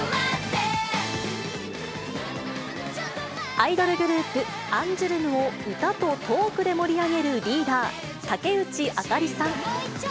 アイドルグループ、アンジュルムを歌とトークで盛り上げるリーダー、竹内朱莉さん。